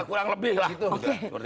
kurang lebih itu iya pak